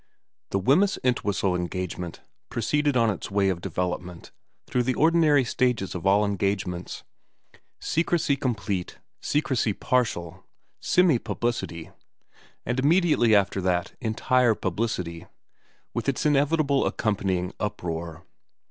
XI THE Weinyss Entwhistle engagement proceeded on its way of development through the ordinary stages of all engagements : secrecy complete, secrecy partial, semi publicity, and immediately after that entire publicity, with its inevitable accompanying uproar.